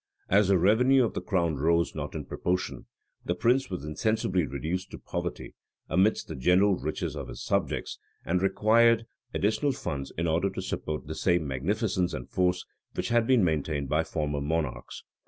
As the revenue of the crown rose not in proportion,[*] the prince was insensibly reduced to poverty amidst the general riches of his subjects, and required additional funds in order to support the same magnificence and force which had been maintained by former monarchs.